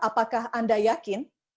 apakah anda yakin